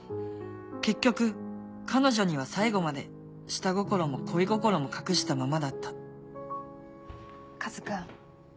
結局彼女には最後まで下心も恋心も隠したままだったカズ君。